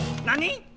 何？